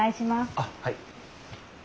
あっはい。